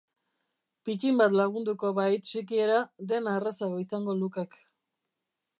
Pittin bat lagunduko bahit sikiera dena errazago izango lukek.